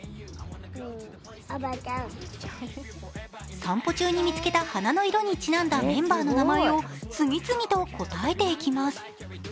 散歩中に見つけた花の色にちなんだメンバーの名前を次々と答えていきます。